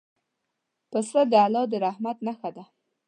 پسه د الله د رحمت نښه ده.